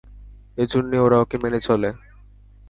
এজন্যই ওরা ওকে মেনে চলে।